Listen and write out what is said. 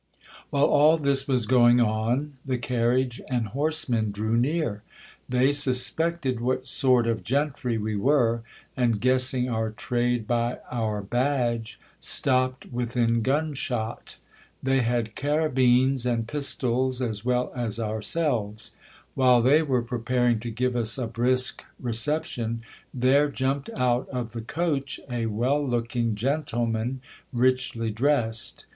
While all this was going on, the carriage and horsemen drew near. They suspected what sort of gentry we were ; and guessing our trade by our badge, stopped within gun shot. They had carabines and pistols as well as ourselves. While they were preparing to give us a brisk reception, there jumped out of the coach a well looking gentleman richly dressed.